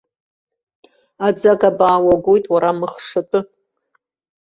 Аӡагабаа уагоит, уара мыхшатәы!